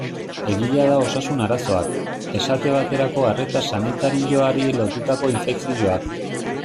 Egia da osasun arazoak, esate baterako arreta sanitarioari lotutako infekzioak.